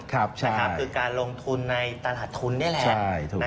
คือการลงทุนในตลาดทุนนี่แหละ